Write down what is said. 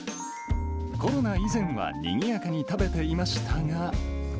コロナ以前はにぎやかに食べていましたが。